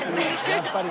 やっぱり。